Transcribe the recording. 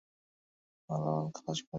আমি মালামাল খালাস করছি।